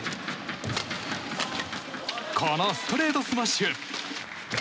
このストレートスマッシュ！